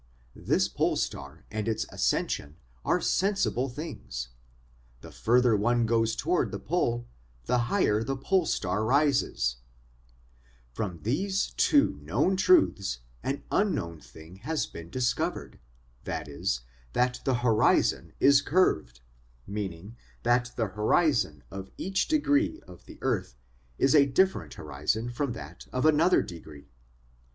This Pole Star and its ascension are sensible things. The further one goes towards the Pole, the higher the Pole Star rises; from these two known truths an unknown thing has been discovered, that is, that the horizon is curved: meaning that the horizon of each degree of the earth is a different horizon from that of another degree.